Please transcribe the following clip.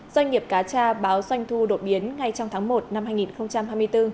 doanh nghiệp cá tra báo doanh thu đột biến ngay trong tháng một năm hai nghìn hai mươi bốn